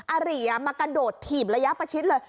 อารีมากระโดดถีบระยะประชิดเลย